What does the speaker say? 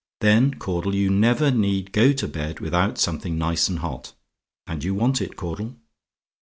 Then, Caudle, you never need go to bed without something nice and hot. And you want it, Caudle.